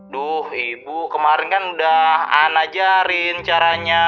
duh ibu kemarin kan udah ana ajarin caranya